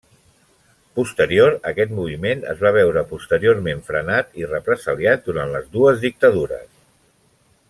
Posterior, aquest moviment es va veure posteriorment frenat i represaliat durant les dues dictadures.